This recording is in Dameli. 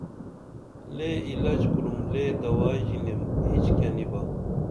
لے عِلج کُرُم لے دوائی ژِنیم ہچکیہ نی با